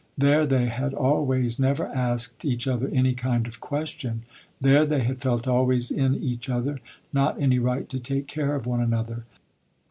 There they had always, never asked each other any kind of question. There they had felt always in each other, not any right to take care of one another.